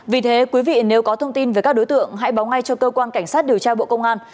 vì thế quý vị nếu có thông tin về các đối tượng hãy báo ngay cho cơ quan cảnh sát điều tra bộ công an